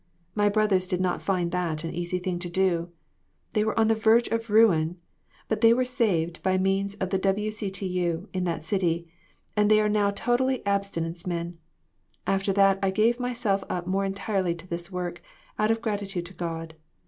My brothers did not find that an easy thing to do. They were on the verge of ruin, but they were saved, by means of the W. C. T. U. in that city, and they are now total abstinence men. After that I gave myself up more entirely to this work, out of gratitude to God.